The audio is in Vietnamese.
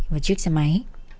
và chiếc xe máy